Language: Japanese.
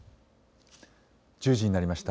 １０時になりました。